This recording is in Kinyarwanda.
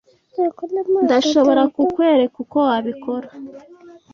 Ndashobora kukwereka uko wabikora.